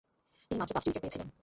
তিনি মাত্র পাঁচটি উইকেট পেয়েছিলেন।